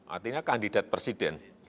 artinya kandidat presiden